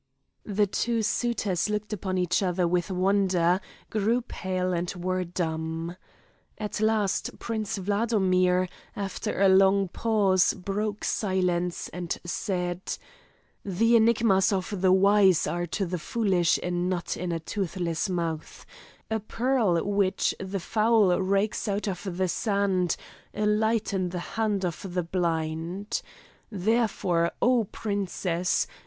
The two suitors looked upon each other with wonder, grew pale and were dumb. At last Prince Wladomir after a long pause broke silence and said, "The enigmas of the wise are to the foolish, a nut in a toothless mouth; a pearl which the fowl rakes out of the sand, a light in the hand of the blind. Therefore, oh, princess!